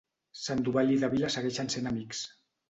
Sandoval i Davila segueixen sent amics.